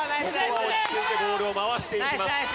ここは落ち着いてボールを回していきます。